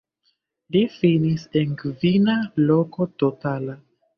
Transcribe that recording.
Li finis en kvina loko totala.